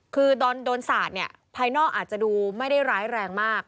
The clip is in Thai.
คือโดนศาสตร์ภายนอกอาจจะดูไม่ได้ร้ายแรงมาก